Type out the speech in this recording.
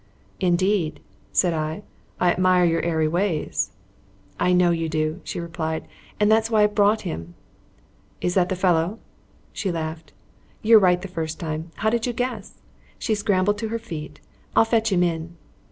"Indeed," said I. "I admire your airy ways." "I know you do," she replied, "and that's why I've brought him." "Is that the fellow?" She laughed. "You're right first time. How did you guess?" She scrambled to her feet. "I'll fetch him in."